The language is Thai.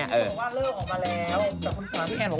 พี่แอนรู้ว่าเลิกออกมาแล้ว